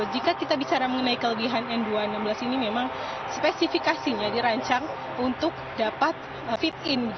jika kita bicara mengenai kelebihan n dua ratus enam belas ini memang spesifikasinya dirancang untuk dapat fit in